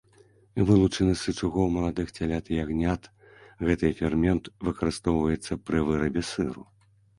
Вылучаны з сычугоў маладых цялят і ягнят, гэты фермент выкарыстоўваецца пры вырабе сыру.